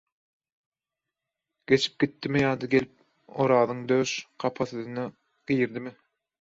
Geçip gitdimi ýa-da gelip Orazyň döş kapasasyna girdimi?